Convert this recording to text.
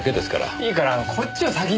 いいからこっちを先に。